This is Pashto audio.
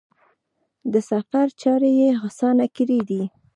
د سفر چارې یې اسانه کړي دي.